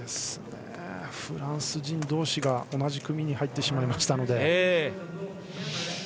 フランス人同士が同じ組に入ってしまいましたので。